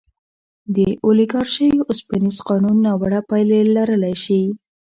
د اولیګارشۍ اوسپنیز قانون ناوړه پایلې لرلی شي.